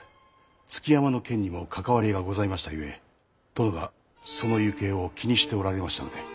築山の件にも関わりがございましたゆえ殿がその行方を気にしておられましたので。